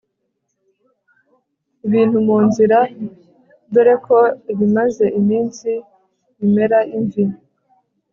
ibintu mu nzira dore ko ibimaze iminsi bimera imvi